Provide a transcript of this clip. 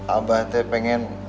abah teh pengen